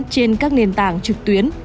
trên các nền tảng trực tuyến